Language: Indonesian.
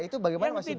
itu bagaimana masih